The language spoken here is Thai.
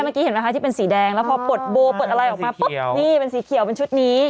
เมื่อกี้เห็นไหมคะที่เป็นสีแดงแล้วพอปลดโบปลดอะไรออกมาปุ๊บนี่เป็นสีเขียวเป็นชุดนี้